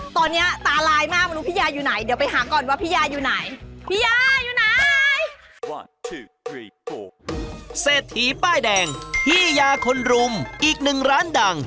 เซธีป้ายแดงฮี่ยาคนรุมอีกหนึ่งร้านดัง